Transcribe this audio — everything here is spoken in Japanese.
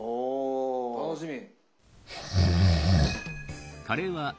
お楽しみ！